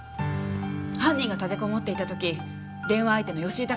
犯人が立てこもっていた時電話相手の吉井孝子がいた場所は？